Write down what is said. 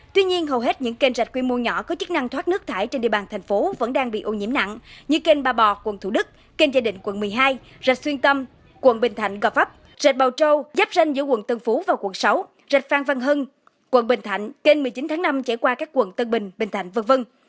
tuy nhiên hầu hết những kênh rạch quy mô nhỏ có chức năng thoát nước thải trên địa bàn thành phố vẫn đang bị ô nhiễm nặng như kênh ba bò quận thủ đức kênh gia định quận một mươi hai rạch xuyên tâm quận bình thạnh gò pháp rạch bào châu giáp ranh giữa quận tân phú và quận sáu rạch phan văn hưng quận bình thạnh kênh một mươi chín tháng năm chảy qua các quận tân bình bình thạnh v v